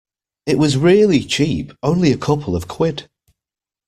It was really cheap! Only a couple of quid!